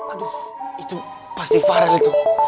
aduh itu pasti farel itu